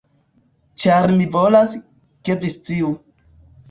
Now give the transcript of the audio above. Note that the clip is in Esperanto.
Ĉar mi volas, ke vi sciu.